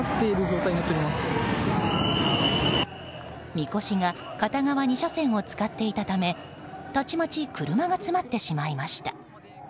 みこしが片側２車線を使っていたためたちまち車が詰まってしまいました。